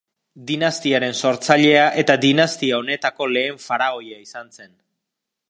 Dinastiaren sortzailea eta dinastia honetako lehen faraoia izan zen.